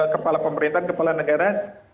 kepala pemerintahan kepala negara